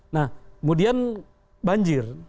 nah kemudian banjir